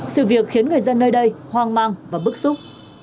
sự việc khiến người dân nơi đây hoang mang và bức xúc